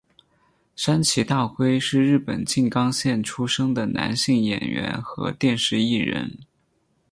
山崎大辉是日本静冈县出生的男性演员和电视艺人。